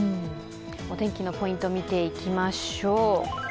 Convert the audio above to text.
お天気のポイント見ていきましょう。